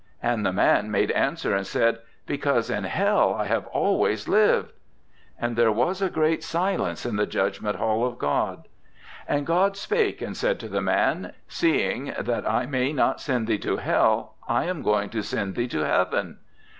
'And the man made answer and said, "Because in Hell I have always lived." 'And there was a great silence in the Judgment Hall of God. 'And God spake and said to the man, "Seeing that I may not send thee to Hell, I am going to send thee to Heaven."